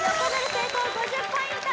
成功５０ポイント